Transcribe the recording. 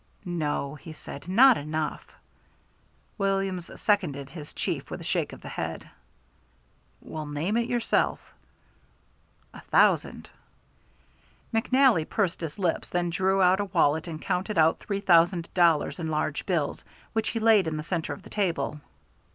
"No," he said, "not enough." Williams seconded his chief with a shake of the head. "Well, name it yourself." "A thousand." McNally pursed his lips, then drew out a wallet, and counted out three thousand dollars in large bills, which he laid in the centre of the table.